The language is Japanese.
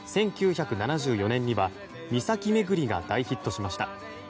１９７４年には「岬めぐり」が大ヒットしました。